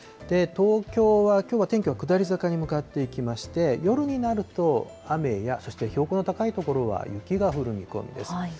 東京はきょうは天気は下り坂に向かっていきまして、夜になると、雨やそして標高の高い所は雪が降る見込みです。